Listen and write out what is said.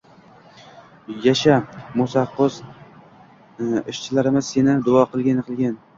– Yasha, Mo‘saqo‘zi! Ishchilarimizam seni duo qilgani qilgan